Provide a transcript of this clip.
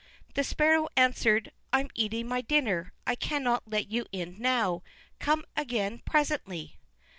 The Sparrow answered: "I'm eating my dinner; I cannot let you in now; come again presently."